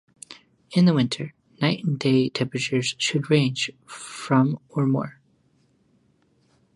In the winter, night and day temperatures should range from or more.